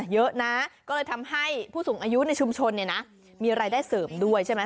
เยอะนะก็เลยทำให้ผู้สูงอายุในชุมชนเนี่ยนะมีรายได้เสริมด้วยใช่ไหม